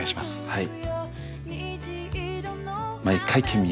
はい。